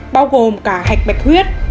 bao gồm cả hạch bạch huyết